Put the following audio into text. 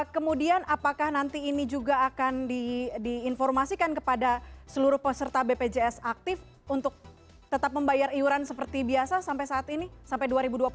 kemudian apakah nanti ini juga akan diinformasikan kepada seluruh peserta bpjs aktif untuk tetap membayar iuran seperti biasa sampai saat ini sampai dua ribu dua puluh satu